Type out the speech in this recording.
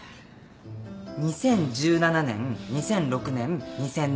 ２０１７年２００６年２０００年１９９５年。